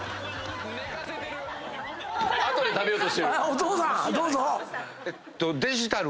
お父さんどうぞ。